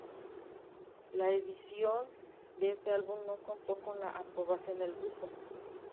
La edición de este álbum no contó con la aprobación del grupo.